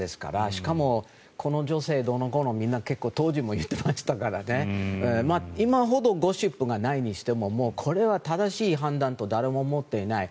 しかも、この女性どうのこうの結構、当時も言ってましたから今ほどゴシップがないにしてももうこれは正しい判断とは誰も思っていない。